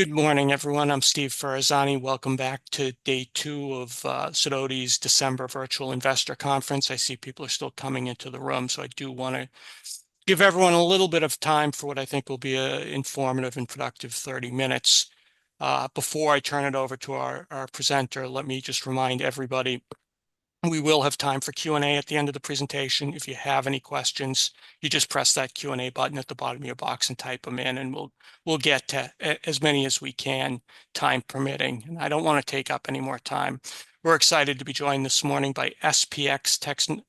Good morning, everyone. I'm Steve Ferazani. Welcome back to day two of Sidoti's December Virtual Investor Conference. I see people are still coming into the room, so I do want to give everyone a little bit of time for what I think will be an informative and productive 30 minutes. Before I turn it over to our presenter, let me just remind everybody we will have time for Q&A at the end of the presentation. If you have any questions, you just press that Q&A button at the bottom of your box and type them in, and we'll get to as many as we can, time permitting. And I don't want to take up any more time. We're excited to be joined this morning by SPX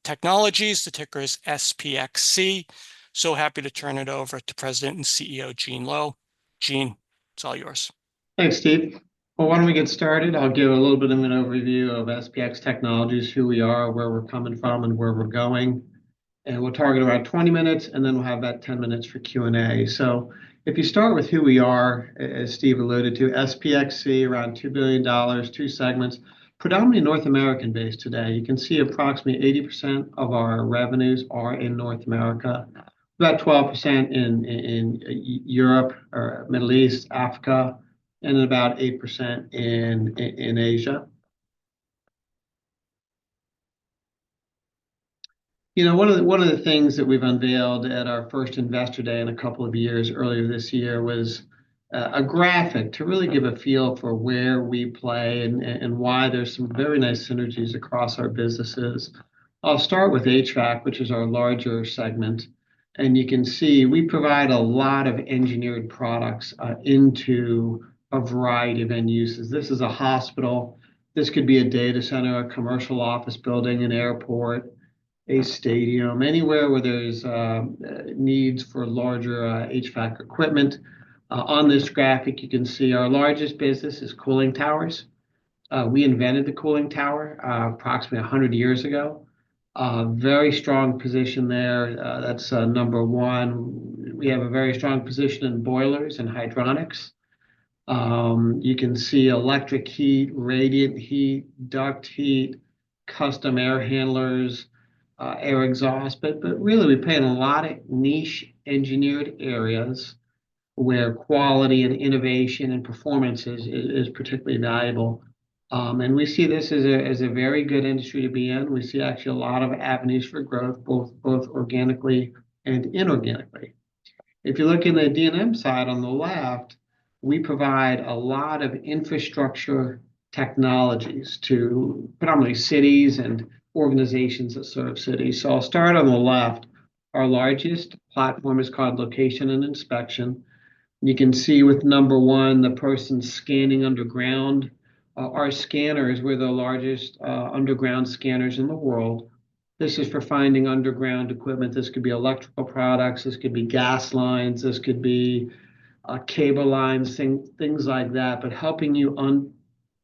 Technologies. The ticker is SPXC. So happy to turn it over to President and CEO Gene Lowe. Gene, it's all yours. Thanks, Steve. Why don't we get started? I'll give a little bit of an overview of SPX Technologies, who we are, where we're coming from, and where we're going. We'll target about 20 minutes, and then we'll have about 10 minutes for Q&A. If you start with who we are, as Steve alluded to, SPXC, around $2 billion, two segments, predominantly North American based today. You can see approximately 80% of our revenues are in North America, about 12% in Europe, Middle East, and Africa, and about 8% in Asia. You know, one of the things that we've unveiled at our first Investor Day in a couple of years earlier this year was a graphic to really give a feel for where we play and why there's some very nice synergies across our businesses. I'll start with HVAC, which is our larger segment. You can see we provide a lot of engineered products into a variety of end uses. This is a hospital. This could be a data center, a commercial office building, an airport, a stadium, anywhere where there's needs for larger HVAC equipment. On this graphic, you can see our largest business is cooling towers. We invented the cooling tower approximately 100 years ago. Very strong position there. That's number one. We have a very strong position in boilers and hydronics. You can see electric heat, radiant heat, duct heat, custom air handlers, air exhaust. But really, we play in a lot of niche engineered areas where quality and innovation and performance is particularly valuable. We see this as a very good industry to be in. We see actually a lot of avenues for growth, both organically and inorganically. If you look in the D&M side on the left, we provide a lot of infrastructure technologies to predominantly cities and organizations that serve cities. So I'll start on the left. Our largest platform is called Location and Inspection. You can see with number one, the person scanning underground. Our scanners were the largest underground scanners in the world. This is for finding underground equipment. This could be electrical products. This could be gas lines. This could be cable lines, things like that, but helping you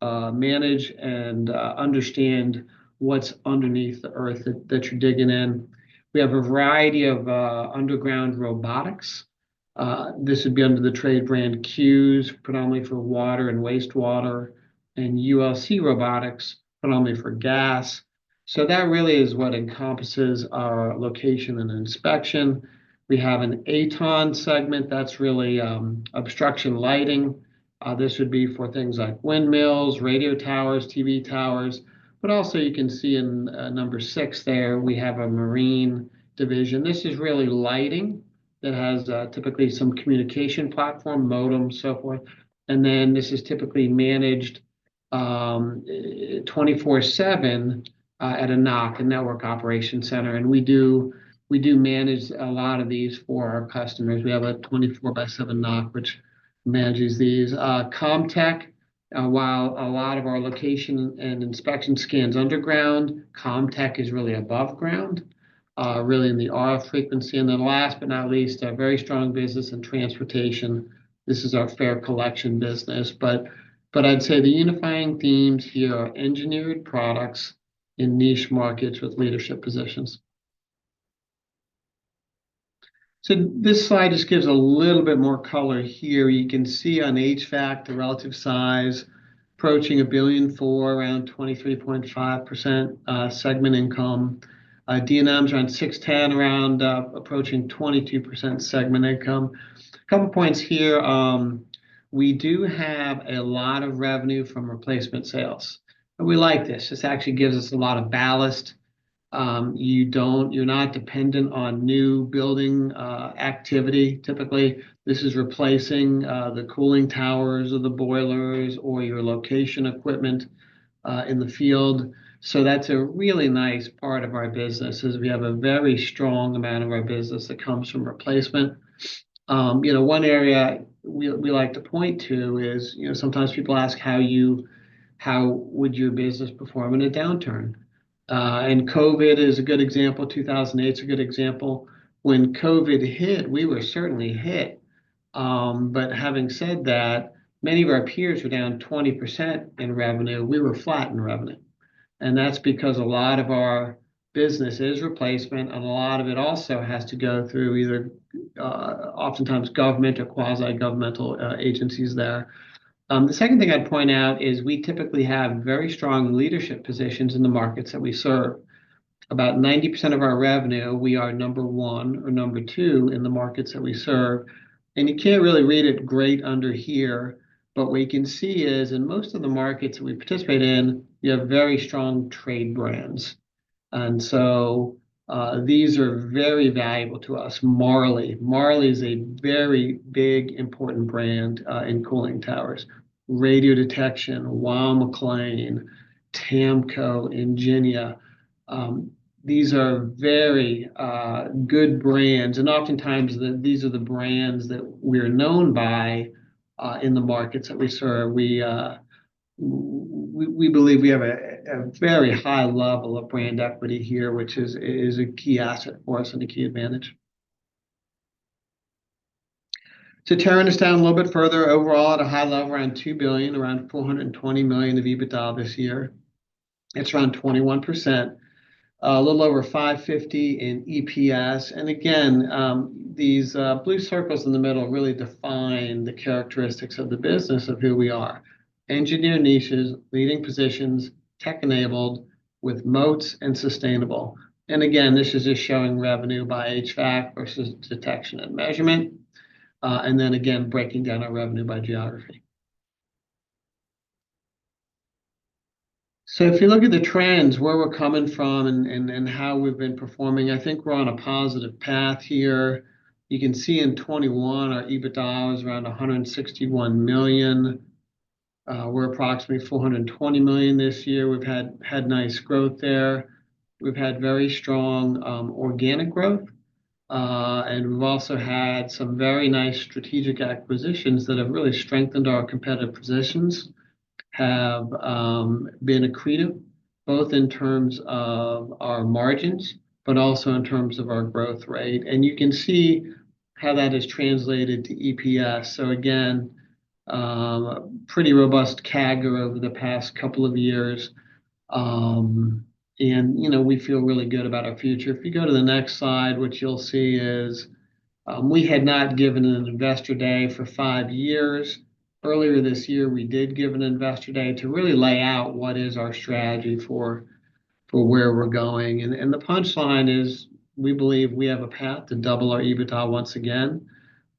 manage and understand what's underneath the earth that you're digging in. We have a variety of underground robotics. This would be under the trade brand CUES, predominantly for water and wastewater, and ULC Robotics, predominantly for gas. So that really is what encompasses our location and inspection. We have an AtoN segment. That's really obstruction lighting. This would be for things like windmills, radio towers, TV towers, but also you can see in number six there, we have a marine division. This is really lighting that has typically some communication platform, modem, so forth, and then this is typically managed 24/7 at a NOC, a Network Operations Center, and we do manage a lot of these for our customers. We have a 24/7 NOC, which manages these. CommTech, while a lot of our location and inspection scans underground, CommTech is really above ground, really in the auto frequency, and then last but not least, a very strong business in transportation. This is our fare collection business, but I'd say the unifying themes here are engineered products in niche markets with leadership positions, so this slide just gives a little bit more color here. You can see on HVAC, the relative size approaching $1.4 billion, around 23.5% segment income. D&Ms are on $610 million, around approaching 22% segment income. A couple of points here. We do have a lot of revenue from replacement sales, and we like this. This actually gives us a lot of ballast. You're not dependent on new building activity. Typically, this is replacing the cooling towers or the boilers or your location equipment in the field. So that's a really nice part of our business is we have a very strong amount of our business that comes from replacement. One area we like to point to is sometimes people ask, how would your business perform in a downturn? And COVID is a good example. 2008 is a good example. When COVID hit, we were certainly hit, but having said that, many of our peers were down 20% in revenue. We were flat in revenue, and that's because a lot of our business is replacement, and a lot of it also has to go through either oftentimes government or quasi-governmental agencies there. The second thing I'd point out is we typically have very strong leadership positions in the markets that we serve. About 90% of our revenue, we are number one or number two in the markets that we serve. You can't really read it great under here, but what you can see is in most of the markets that we participate in, you have very strong trade brands, and so these are very valuable to us. Marley. Marley is a very big, important brand in cooling towers. Radiodetection, Weil-McLain, TAMCO, Ingenia. These are very good brands, and oftentimes, these are the brands that we're known by in the markets that we serve. We believe we have a very high level of brand equity here, which is a key asset for us and a key advantage. To tear this down a little bit further, overall, at a high level, around $2 billion, around $420 million of EBITDA this year. It's around 21%. A little over $5.50 in EPS, and again, these blue circles in the middle really define the characteristics of the business of who we are. Engineered niches, leading positions, tech-enabled with moats and sustainable, and again, this is just showing revenue by HVAC versus detection and measurement, and then again, breaking down our revenue by geography, so if you look at the trends, where we're coming from and how we've been performing, I think we're on a positive path here. You can see in 2021, our EBITDA was around $161 million. We're approximately $420 million this year. We've had nice growth there. We've had very strong organic growth, and we've also had some very nice strategic acquisitions that have really strengthened our competitive positions, have been accretive, both in terms of our margins, but also in terms of our growth rate, and you can see how that is translated to EPS, so again, pretty robust CAGR over the past couple of years, and we feel really good about our future. If you go to the next slide, what you'll see is we had not given an Investor Day for five years. Earlier this year, we did give an Investor Day to really lay out what is our strategy for where we're going, and the punchline is we believe we have a path to double our EBITDA once again.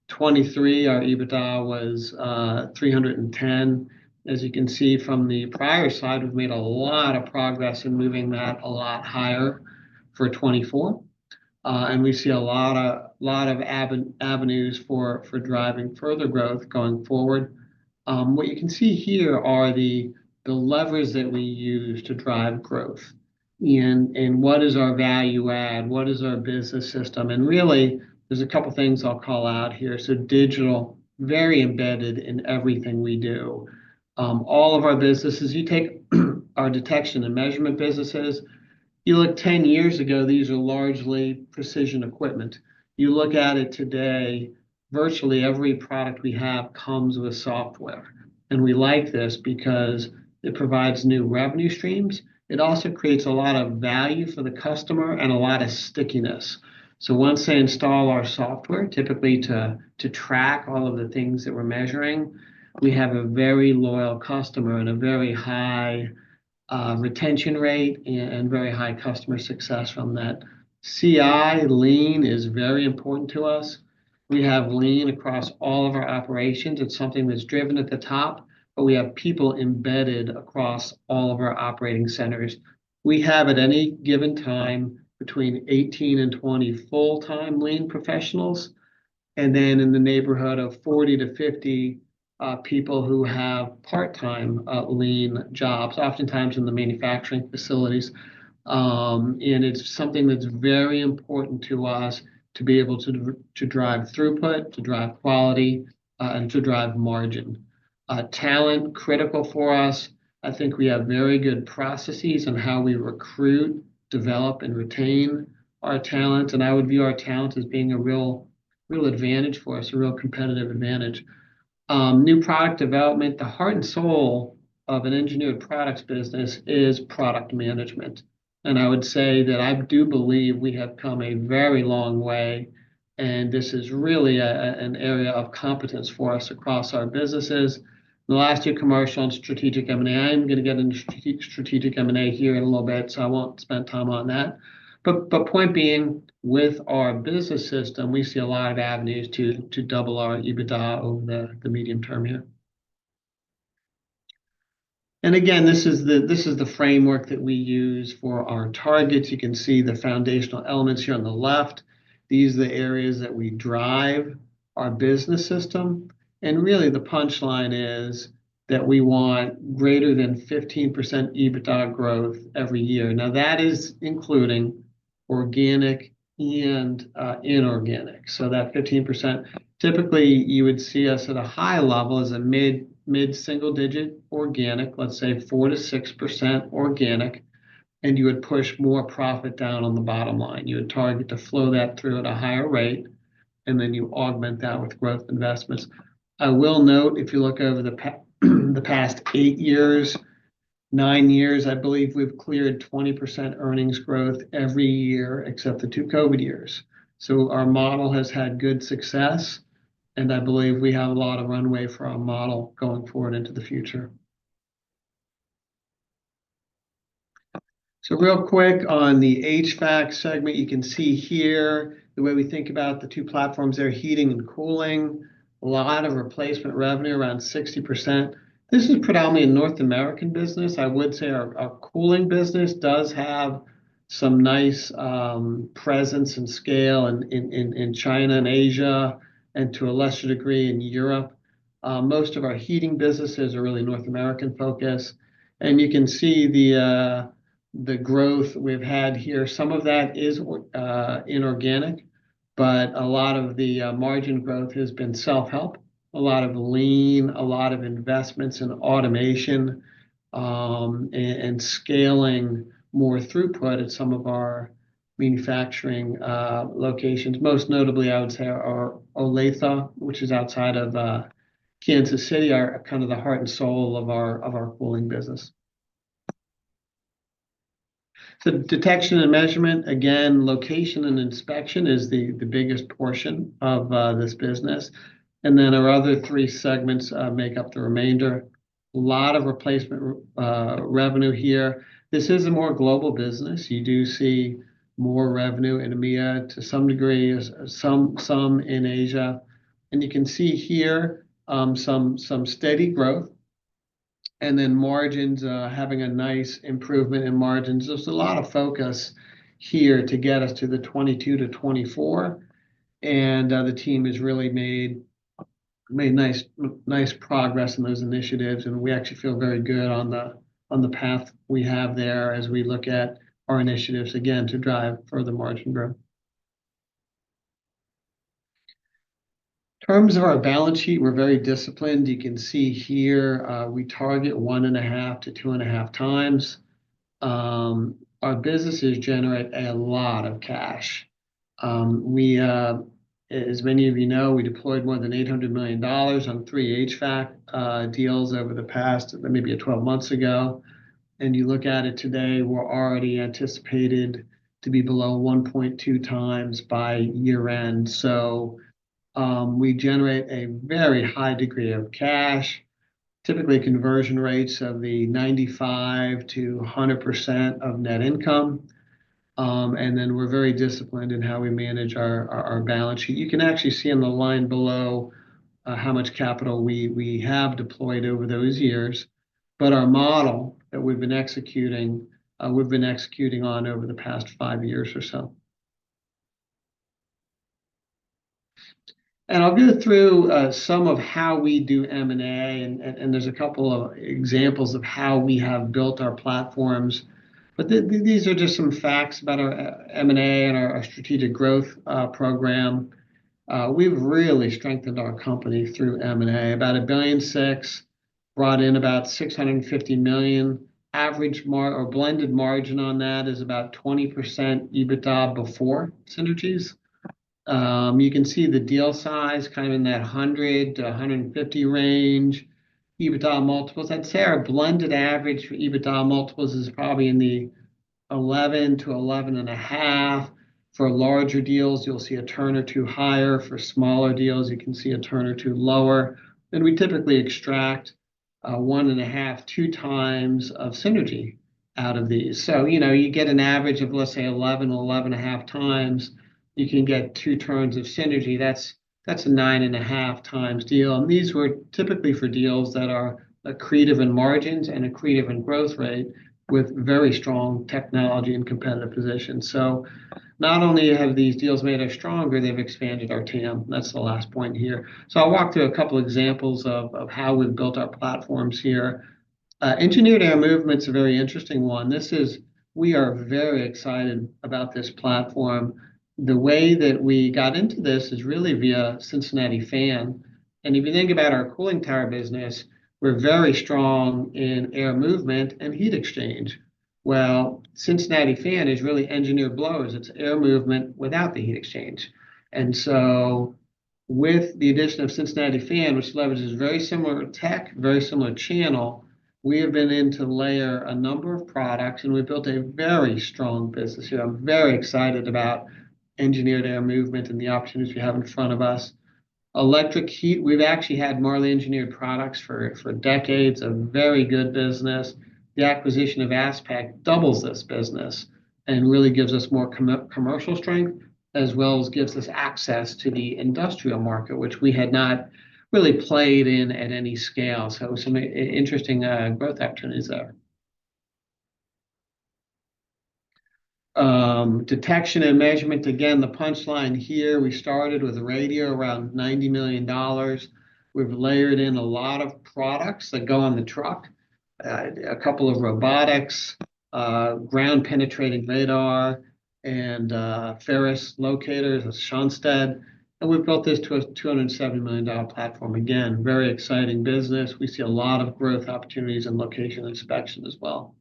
2023, our EBITDA was $310. As you can see from the prior slide, we've made a lot of progress in moving that a lot higher for 2024, and we see a lot of avenues for driving further growth going forward. What you can see here are the levers that we use to drive growth, and what is our value add? What is our business system? And really, there's a couple of things I'll call out here, so digital, very embedded in everything we do. All of our businesses, you take our detection and measurement businesses. You look 10 years ago, these are largely precision equipment. You look at it today, virtually every product we have comes with software, and we like this because it provides new revenue streams. It also creates a lot of value for the customer and a lot of stickiness. So once they install our software, typically to track all of the things that we're measuring, we have a very loyal customer and a very high retention rate and very high customer success from that. CI, lean is very important to us. We have lean across all of our operations. It's something that's driven at the top, but we have people embedded across all of our operating centers. We have at any given time between 18 and 20 full-time lean professionals, and then in the neighborhood of 40 to 50 people who have part-time lean jobs, oftentimes in the manufacturing facilities, and it's something that's very important to us to be able to drive throughput, to drive quality, and to drive margin. Talent, critical for us. I think we have very good processes on how we recruit, develop, and retain our talent. I would view our talent as being a real advantage for us, a real competitive advantage. New product development, the heart and soul of an engineered products business is product management. I would say that I do believe we have come a very long way, and this is really an area of competence for us across our businesses. In the last year, commercial and strategic M&A. I'm going to get into strategic M&A here in a little bit, so I won't spend time on that. Point being, with our business system, we see a lot of avenues to double our EBITDA over the medium term here. Again, this is the framework that we use for our targets. You can see the foundational elements here on the left. These are the areas that we drive our business system. Really, the punchline is that we want greater than 15% EBITDA growth every year. Now, that is including organic and inorganic. So that 15%, typically, you would see us at a high level as a mid-single digit organic, let's say 4% to 6% organic, and you would push more profit down on the bottom line. You would target to flow that through at a higher rate, and then you augment that with growth investments. I will note, if you look over the past eight years, nine years, I believe we've cleared 20% earnings growth every year except the two COVID years. So our model has had good success, and I believe we have a lot of runway for our model going forward into the future. So real quick on the HVAC segment, you can see here the way we think about the two platforms there, heating and cooling, a lot of replacement revenue, around 60%. This is predominantly a North American business. I would say our cooling business does have some nice presence and scale in China and Asia, and to a lesser degree in Europe. Most of our heating businesses are really North American focus. And you can see the growth we've had here. Some of that is inorganic, but a lot of the margin growth has been self-help. A lot of lean, a lot of investments in automation and scaling more throughput at some of our manufacturing locations. Most notably, I would say our Olathe, which is outside of Kansas City, are kind of the heart and soul of our cooling business. Detection and measurement, again, location and inspection is the biggest portion of this business. Then our other three segments make up the remainder. A lot of replacement revenue here. This is a more global business. You do see more revenue in EMEA to some degree, some in Asia. You can see here some steady growth. Then margins having a nice improvement in margins. There's a lot of focus here to get us to the 22 to 24. The team has really made nice progress in those initiatives. We actually feel very good on the path we have there as we look at our initiatives, again, to drive further margin growth. In terms of our balance sheet, we're very disciplined. You can see here we target one and a half to two and a half times. Our businesses generate a lot of cash. As many of you know, we deployed more than $800 million on three HVAC deals over the past maybe 12 months ago. And you look at it today, we're already anticipated to be below 1.2x by year-end. So we generate a very high degree of cash, typically conversion rates of the 95% to 100% of net income. And then we're very disciplined in how we manage our balance sheet. You can actually see on the line below how much capital we have deployed over those years, but our model that we've been executing, we've been executing on over the past five years or so. And I'll go through some of how we do M&A, and there's a couple of examples of how we have built our platforms. But these are just some facts about our M&A and our strategic growth program. We've really strengthened our company through M&A. About $1.6 billion brought in about $650 million. Average or blended margin on that is about 20% EBITDA before synergies. You can see the deal size kind of in that 100 to 150 range. EBITDA multiples, I'd say our blended average for EBITDA multiples is probably in the 11 to 11.5. For larger deals, you'll see a turn or two higher. For smaller deals, you can see a turn or two lower. And we typically extract 1.5x to 2x of synergy out of these. So you get an average of, let's say, 11x or 11.5x. You can get two turns of synergy. That's a 9.5xdeal. And these were typically for deals that are accretive in margins and accretive in growth rate with very strong technology and competitive positions. Not only have these deals made us stronger, they've expanded our TM. That's the last point here. I'll walk through a couple of examples of how we've built our platforms here. Engineered Air Movement's a very interesting one. We are very excited about this platform. The way that we got into this is really via Cincinnati Fan. If you think about our cooling tower business, we're very strong in air movement and heat exchange. Cincinnati Fan is really engineered blowers. It's air movement without the heat exchange. With the addition of Cincinnati Fan, which leverages very similar tech, very similar channel, we have been able to layer a number of products, and we've built a very strong business here. I'm very excited about Engineered Air Movement and the opportunities we have in front of us. Electric heat, we've actually had Marley Engineered Products for decades. A very good business. The acquisition of ASPEQ doubles this business and really gives us more commercial strength, as well as gives us access to the industrial market, which we had not really played in at any scale. So some interesting growth opportunities there. Detection and measurement, again, the punchline here. We started with radio around $90 million. We've layered in a lot of products that go on the truck, a couple of robotics, ground-penetrating radar, and ferrous locators with Schonstedt. And we've built this to a $270 million platform. Again, very exciting business. We see a lot of growth opportunities in location inspection as well.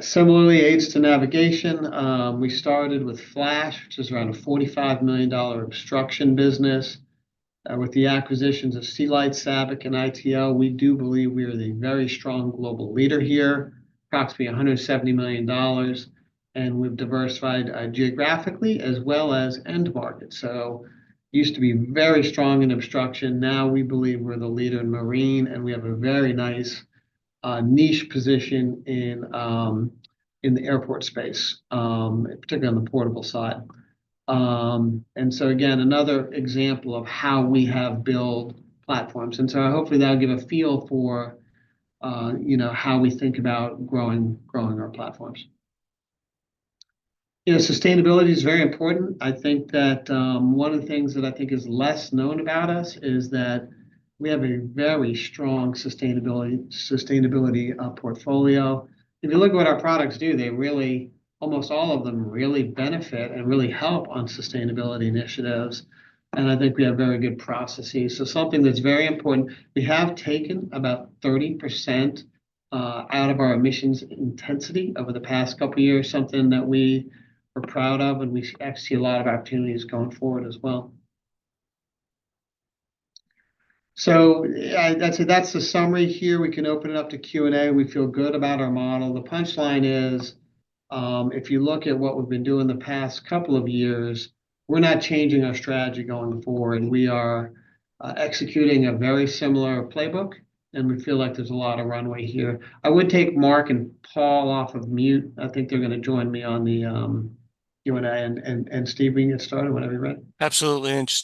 Similarly, aids to navigation. We started with Flash, which is around a $45 million obstruction business. With the acquisitions of Sealite, Sabik, and ITL, we do believe we are the very strong global leader here, approximately $170 million. And we've diversified geographically as well as end markets. So used to be very strong in obstruction. Now we believe we're the leader in marine, and we have a very nice niche position in the airport space, particularly on the portable side. And so again, another example of how we have built platforms. And so hopefully that'll give a feel for how we think about growing our platforms. Sustainability is very important. I think that one of the things that I think is less known about us is that we have a very strong sustainability portfolio. If you look at what our products do, they really, almost all of them really benefit and really help on sustainability initiatives. And I think we have very good processes. So something that's very important, we have taken about 30% out of our emissions intensity over the past couple of years, something that we are proud of, and we actually see a lot of opportunities going forward as well. So I'd say that's the summary here. We can open it up to Q&A. We feel good about our model. The punchline is, if you look at what we've been doing the past couple of years, we're not changing our strategy going forward. We are executing a very similar playbook, and we feel like there's a lot of runway here. I would take Mark and Paul off of mute. I think they're going to join me on the Q&A. And Steve, we can get started whenever you're ready. Absolutely. And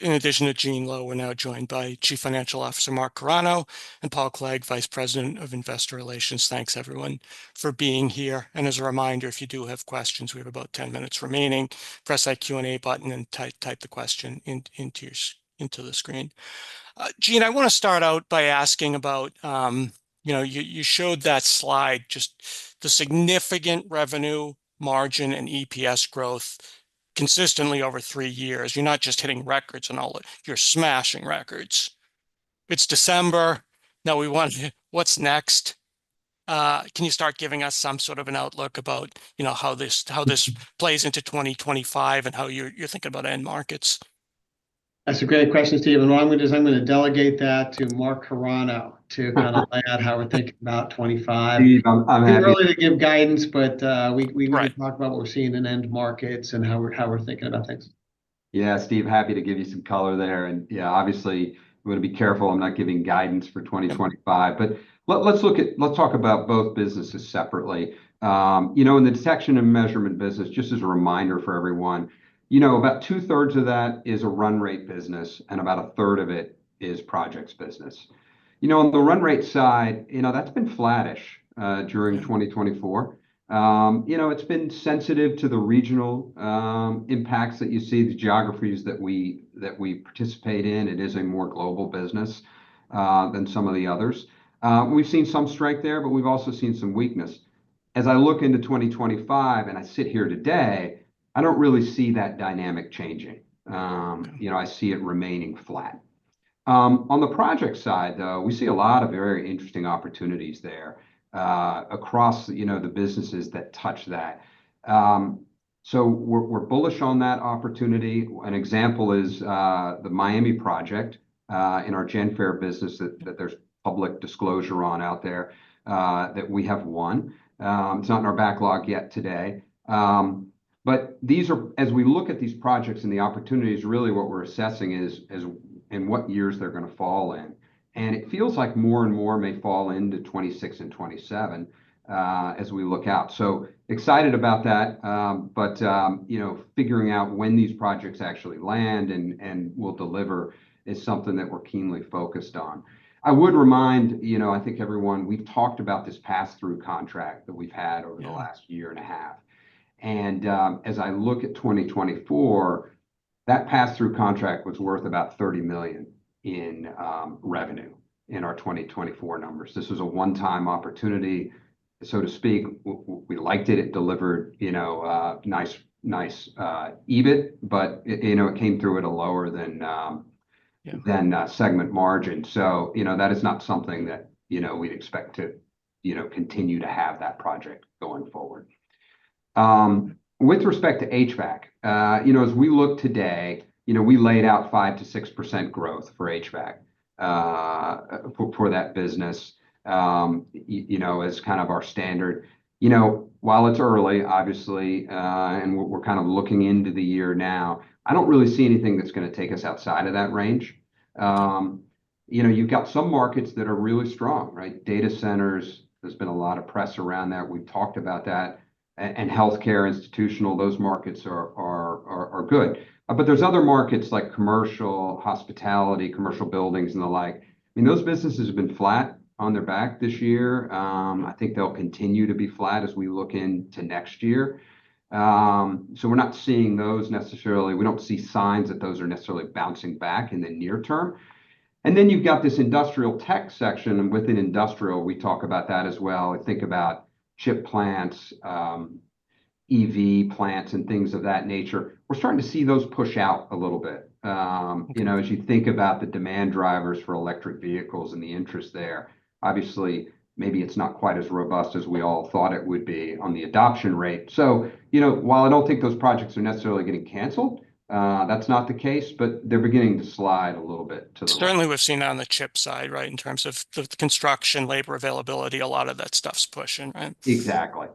in addition to Gene Lowe, we're now joined by Chief Financial Officer Mark Carano and Paul Clegg, Vice President of Investor Relations. Thanks, everyone, for being here. And as a reminder, if you do have questions, we have about 10 minutes remaining. Press that Q&A button and type the question into the screen. Gene, I want to start out by asking about. You showed that slide, just the significant revenue margin and EPS growth consistently over three years. You're not just hitting records and all that. You're smashing records. It's December. Now we want to. What's next? Can you start giving us some sort of an outlook about how this plays into 2025 and how you're thinking about end markets? That's a great question, Steve. And what I'm going to do is I'm going to delegate that to Mark Carano to kind of lay out how we're thinking about 2025. to really give guidance, but we need to talk about what we're seeing in end markets and how we're thinking about things. Yeah, Steve, happy to give you some color there. And yeah, obviously, I'm going to be careful. I'm not giving guidance for 2025. But let's talk about both businesses separately. In the detection and measurement business, just as a reminder for everyone, about two-thirds of that is a run-rate business, and about a third of it is projects business. On the run-rate side, that's been flattish during 2024. It's been sensitive to the regional impacts that you see, the geographies that we participate in. It is a more global business than some of the others. We've seen some strength there, but we've also seen some weakness. As I look into 2025 and I sit here today, I don't really see that dynamic changing. I see it remaining flat. On the project side, though, we see a lot of very interesting opportunities there across the businesses that touch that. So we're bullish on that opportunity. An example is the Miami project in our Genfare business that there's public disclosure on out there that we have won. It's not in our backlog yet today. But as we look at these projects and the opportunities, really what we're assessing is in what years they're going to fall in. And it feels like more and more may fall into 2026 and 2027 as we look out. So excited about that. But figuring out when these projects actually land and will deliver is something that we're keenly focused on. I would remind, I think everyone, we've talked about this pass-through contract that we've had over the last year and a half. As I look at 2024, that pass-through contract was worth about $30 million in revenue in our 2024 numbers. This was a one-time opportunity, so to speak. We liked it. It delivered nice EBIT, but it came through at a lower-than-segment margin. So that is not something that we'd expect to continue to have that project going forward. With respect to HVAC, as we look today, we laid out 5% to 6% growth for HVAC for that business as kind of our standard. While it's early, obviously, and we're kind of looking into the year now, I don't really see anything that's going to take us outside of that range. You've got some markets that are really strong, right? Data centers, there's been a lot of press around that. We've talked about that. Healthcare, institutional, those markets are good. There's other markets like commercial, hospitality, commercial buildings, and the like. I mean, those businesses have been flat on their back this year. I think they'll continue to be flat as we look into next year. So we're not seeing those necessarily. We don't see signs that those are necessarily bouncing back in the near term. And then you've got this industrial tech section. And within industrial, we talk about that as well. Think about chip plants, EV plants, and things of that nature. We're starting to see those push out a little bit. As you think about the demand drivers for electric vehicles and the interest there, obviously, maybe it's not quite as robust as we all thought it would be on the adoption rate. So while I don't think those projects are necessarily getting canceled, that's not the case, but they're beginning to slide a little bit to the left. Certainly, we've seen that on the chip side, right? In terms of the construction, labor availability, a lot of that stuff's pushing, right? Exactly.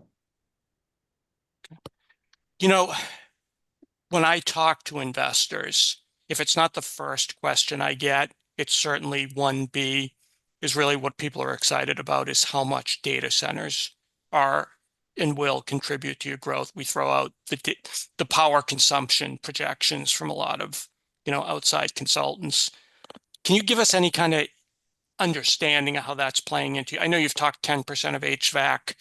When I talk to investors, if it's not the first question I get, it's certainly 1B is really what people are excited about, is how much data centers are and will contribute to your growth. We throw out the power consumption projections from a lot of outside consultants. Can you give us any kind of understanding of how that's playing into you? I know you've talked 10% of HVAC,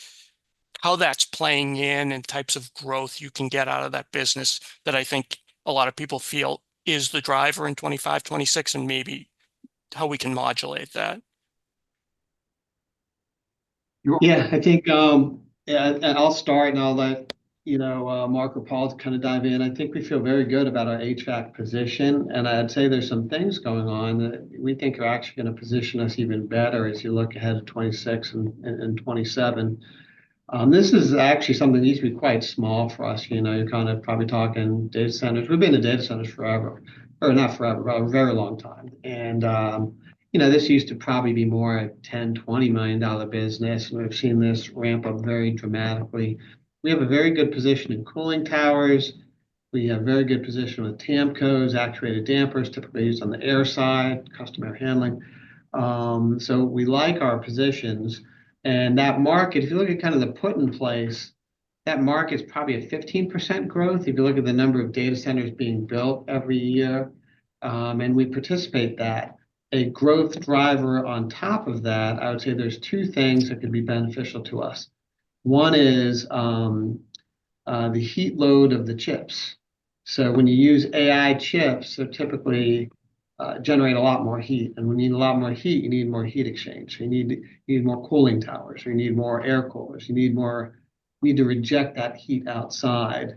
how that's playing in and types of growth you can get out of that business that I think a lot of people feel is the driver in 2025, 2026, and maybe how we can modulate that. Yeah. I think, and I'll start and I'll let Mark or Paul kind of dive in. I think we feel very good about our HVAC position. I'd say there's some things going on that we think are actually going to position us even better as you look ahead to 2026 and 2027. This is actually something that needs to be quite small for us. You're kind of probably talking data centers. We've been in data centers forever, or not forever, but a very long time. And this used to probably be more a $10 to $20 million business. And we've seen this ramp up very dramatically. We have a very good position in cooling towers. We have a very good position with TAMCO actuated dampers, typically used on the air side, air handling. So we like our positions. And that market, if you look at kind of the put in place, that market's probably a 15% growth if you look at the number of data centers being built every year. And we participate in that as a growth driver on top of that. I would say there are two things that could be beneficial to us. One is the heat load of the chips. So when you use AI chips, they typically generate a lot more heat. And when you need a lot more heat, you need more heat exchange. You need more cooling towers, or you need more air coolers. You need more. We need to reject that heat outside.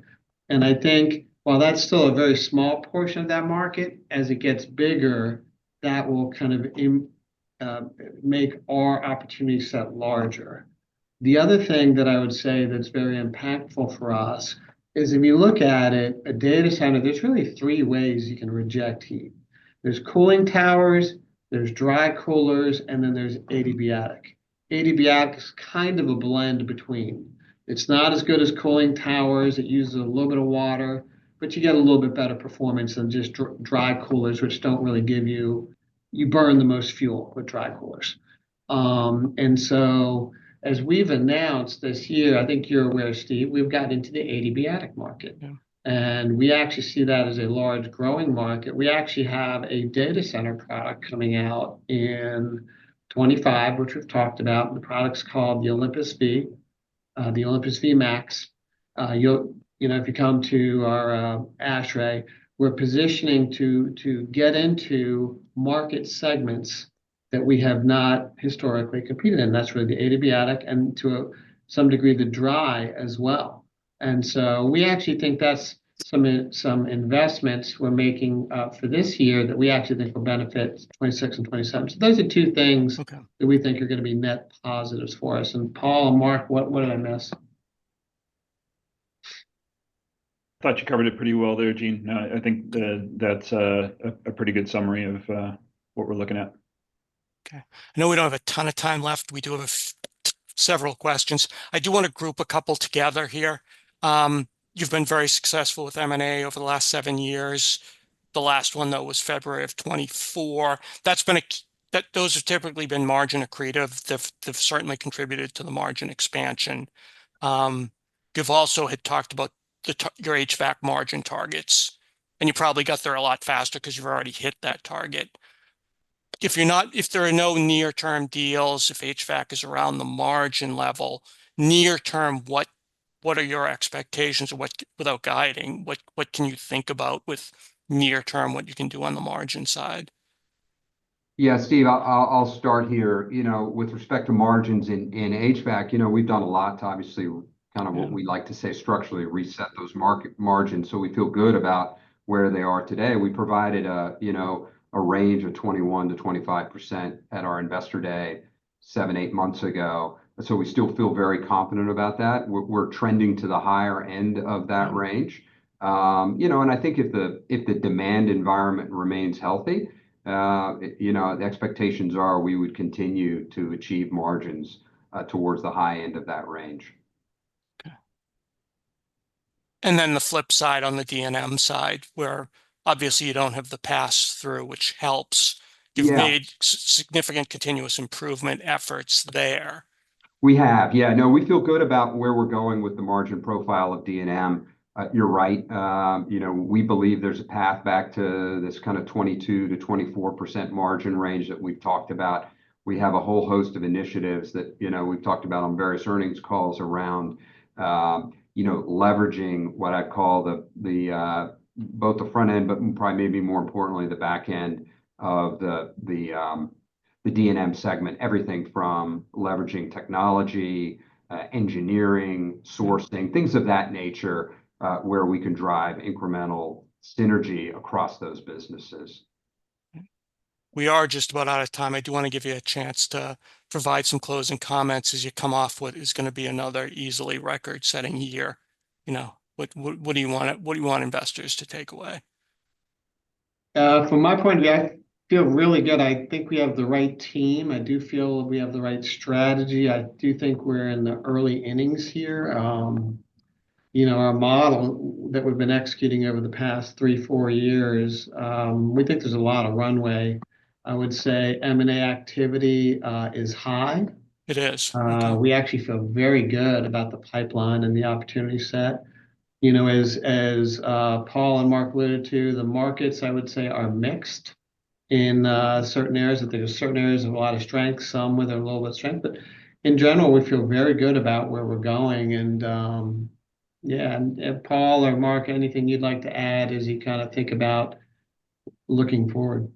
And I think while that's still a very small portion of that market, as it gets bigger, that will kind of make our opportunity set larger. The other thing that I would say that's very impactful for us is if you look at it, a data center, there's really three ways you can reject heat. There's cooling towers, there's dry coolers, and then there's adiabatic. Adiabatic is kind of a blend between. It's not as good as cooling towers. It uses a little bit of water, but you get a little bit better performance than just dry coolers, which don't really give you, you burn the most fuel with dry coolers. And so as we've announced this year, I think you're aware, Steve, we've gotten into the adiabatic market. And we actually see that as a large growing market. We actually have a data center product coming out in 2025, which we've talked about. The product's called the OlympusV, the OlympusV Max. If you come to our ASHRAE, we're positioning to get into market segments that we have not historically competed in. That's really the Adiabatic and to some degree the dry as well. And so we actually think that's some investments we're making for this year that we actually think will benefit 2026 and 2027. So those are two things that we think are going to be net positives for us. And Paul, Mark, what did I miss? I thought you covered it pretty well there, Gene. I think that's a pretty good summary of what we're looking at. Okay. I know we don't have a ton of time left. We do have several questions. I do want to group a couple together here. You've been very successful with M&A over the last seven years. The last one, though, was February of 2024. Those have typically been margin accretive. They've certainly contributed to the margin expansion. You've also had talked about your HVAC margin targets. And you probably got there a lot faster because you've already hit that target. If there are no near-term deals, if HVAC is around the margin level, near-term, what are your expectations? Without guiding, what can you think about with near-term, what you can do on the margin side? Yeah, Steve, I'll start here. With respect to margins in HVAC, we've done a lot to obviously kind of what we like to say structurally reset those margins so we feel good about where they are today. We provided a range of 21% to 25% at our investor day seven, eight months ago. So we still feel very confident about that. We're trending to the higher end of that range. And I think if the demand environment remains healthy, the expectations are we would continue to achieve margins towards the high end of that range. Okay. And then the flip side on the D&M side, where obviously you don't have the pass-through, which helps. You've made significant continuous improvement efforts there. We have. Yeah. No, we feel good about where we're going with the margin profile of D&M. You're right. We believe there's a path back to this kind of 22% to 24% margin range that we've talked about. We have a whole host of initiatives that we've talked about on various earnings calls around leveraging what I call both the front end, but probably maybe more importantly, the back end of the D&M segment, everything from leveraging technology, engineering, sourcing, things of that nature where we can drive incremental synergy across those businesses. We are just about out of time. I do want to give you a chance to provide some closing comments as you come off what is going to be another easily record-setting year. What do you want investors to take away? From my point of view, I feel really good. I think we have the right team. I do feel we have the right strategy. I do think we're in the early innings here. Our model that we've been executing over the past three, four years, we think there's a lot of runway. I would say M&A activity is high. It is. We actually feel very good about the pipeline and the opportunity set. As Paul and Mark alluded to, the markets, I would say, are mixed in certain areas. There are certain areas of a lot of strength, some with a little bit of strength. But in general, we feel very good about where we're going. And yeah, Paul or Mark, anything you'd like to add as you kind of think about looking forward?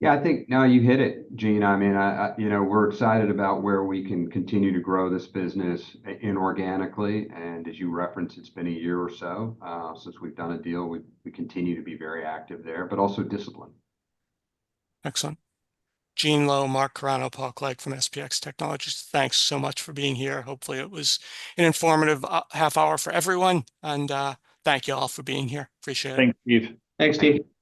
Yeah, I think now you hit it, Gene. I mean, we're excited about where we can continue to grow this business inorganically. And as you referenced, it's been a year or so since we've done a deal. We continue to be very active there, but also disciplined. Excellent. Gene Lowe, Mark Carano, Paul Clegg from SPX Technologies. Thanks so much for being here. Hopefully, it was an informative half hour for everyone, and thank you all for being here. Appreciate it. Thanks, you. Thanks, Steve.